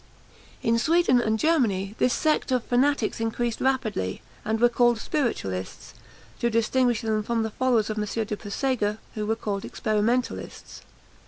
In Sweden and Germany this sect of fanatics increased rapidly, and were called spiritualists, to distinguish them from the followers of M. de Puysegur, who were called experimentalists.